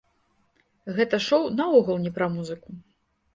Гэта шоу наогул не пра музыку.